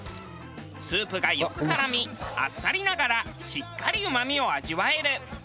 スープがよく絡みあっさりながらしっかりうまみを味わえる。